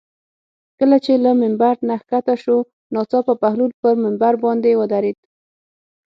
کله چې له ممبر نه ښکته شو ناڅاپه بهلول پر ممبر باندې ودرېد.